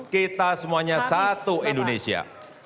kita semuanya satu indonesia